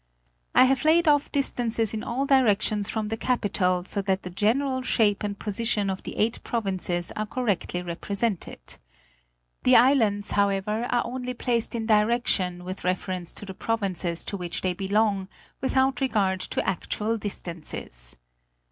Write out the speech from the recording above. I have laid off distances in all directions from the capital, so that the general shape and position of the eight provinces are correctly represented. The islands, however, are only placed in direction with reference to the provinces to which they belong, without regard to actual distances.